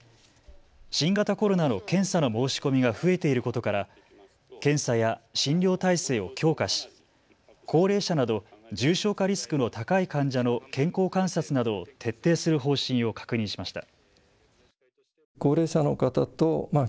新型コロナの検査の申し込みが増えていることから検査や診療体制を強化し高齢者など重症化リスクの高い患者の健康観察などを徹底する方針を確認しました。